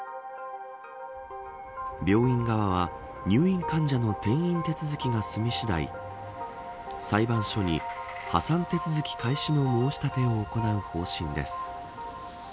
病院側は入院患者の転院手続きが済み次第裁判所に破産手続き開始の申し立てを行う方針です。